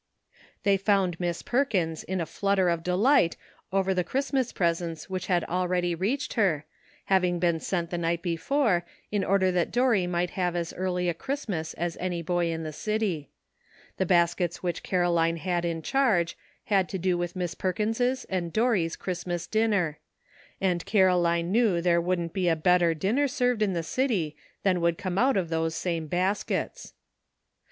They found Miss Perkins in a flutter of de light over the Christmas presents which had already reached her, having been sent the night before, in order that Dorry might have as early a Christmas as any boy in the city. The bas kets which Caroline had in charge had to do with Miss Perkins' and Dorry 's Christmas din ner; and Caroline knew there wouldn't be a better dinner served in the city than would come out of those same baskets.